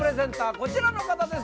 こちらの方です